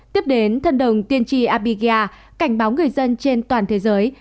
tiếp đến thần đồng tiên tri abhigya cảnh báo người dân trên toàn thế giới